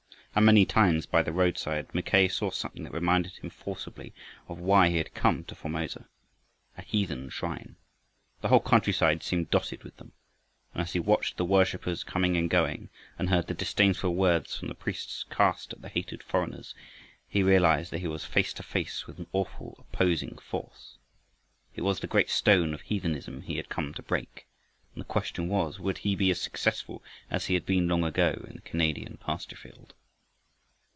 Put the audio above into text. And many times by the roadside Mackay saw something that reminded him forcibly of why he had come to Formosa a heathen shrine. The whole countryside seemed dotted with them. And as he watched the worshipers coming and going, and heard the disdainful words from the priests cast at the hated foreigners, he realized that he was face to face with an awful opposing force. It was the great stone of heathenism he had come to break, and the question was, would he be as successful as he had been long ago in the Canadian pasture field?